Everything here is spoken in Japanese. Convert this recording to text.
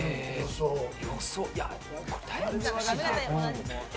だいぶ難しいな。